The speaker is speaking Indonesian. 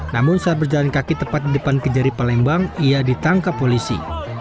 namun saat berjalan kaki tepat di depan kejari palembang ia ditangkap polisi